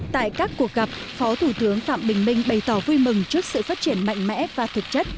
tại các cuộc gặp phó thủ tướng phạm bình minh bày tỏ vui mừng trước sự phát triển mạnh mẽ và thực chất